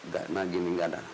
gak gini gak ada